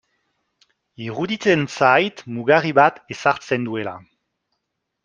Iruditzen zait mugarri bat ezartzen duela.